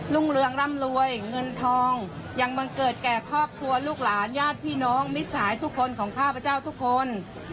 รุ่งเรืองร่ำรวยเงินทองยังบังเกิดแก่ครอบครัวลูกหลานญาติพี่น้องมิสัยทุกคนของข้าพเจ้าทุกคน